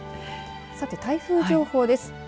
さて台風情報です。